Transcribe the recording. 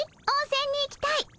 温泉に行きたい。